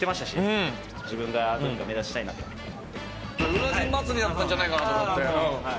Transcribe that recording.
宇賀神祭りだったんじゃないかなと思って。